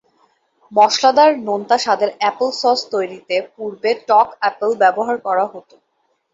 মশলাদার নোনতা স্বাদের আপেল সস তৈরিতে পূর্বে টক আপেল ব্যবহার করা হত।